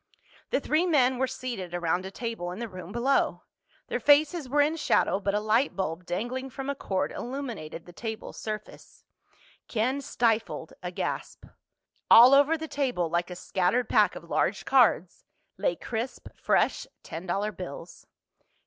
The three men were seated around a table in the room below. Their faces were in shadow but a light bulb dangling from a cord illuminated the table's surface. Ken stifled a gasp. All over the table, like a scattered pack of large cards, lay crisp fresh ten dollar bills.